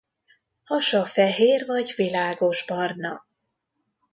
Hasa fehér vagy világosbarna.